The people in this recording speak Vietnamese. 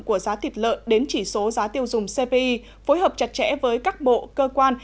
của giá thịt lợn đến chỉ số giá tiêu dùng cpi phối hợp chặt chẽ với các bộ cơ quan